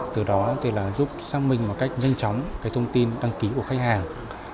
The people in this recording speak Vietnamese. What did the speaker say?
từ đó giúp xác minh một cách nhanh chóng thông tin đăng ký của khách hàng